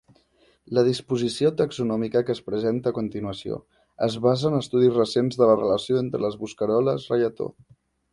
La disposició taxonòmica que es presenta a continuació es basa en estudis recents de les relacions entre les bosqueroles reietó.